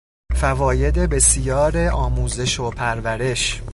فواید بسیار آموزش و پرورش